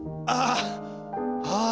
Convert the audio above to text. ああ。